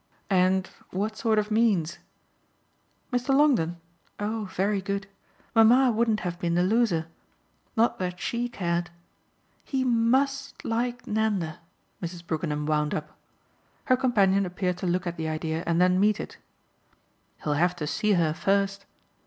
"And what sort of means?" "Mr. Longdon? Oh very good. Mamma wouldn't have been the loser. Not that she cared. He MUST like Nanda," Mrs. Brookenham wound up. Her companion appeared to look at the idea and then meet it. "He'll have to see her first."